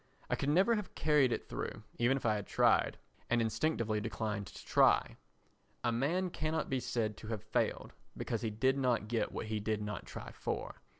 I could never have carried it through, even if I had tried, and instinctively declined to try. A man cannot be said to have failed, because he did not get what he did not try for.